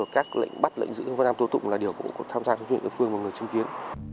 các lệnh bắt lệnh giữ lệnh tố tụng là điều cũng tham gia chính quyền đội phương và người chứng kiến